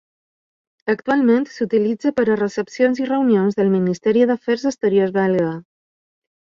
Actualment s'utilitza per a recepcions i reunions del Ministeri d'Afers Exteriors belga.